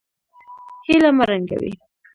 هیله مه ړنګوئ